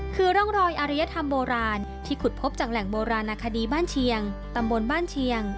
คือร่องรอยอริยธรรมโบราณที่ขุดพบจากแหล่งโบราณนาคดีบ้านเชียงตำบลบ้านเชียง